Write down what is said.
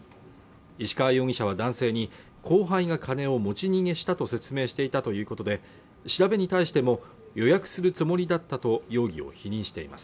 石川容疑者は男性に後輩が金を持ち逃げしたと説明していたということで調べに対しても、予約するつもりだったと容疑を否認しています。